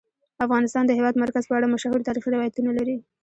افغانستان د د هېواد مرکز په اړه مشهور تاریخی روایتونه لري.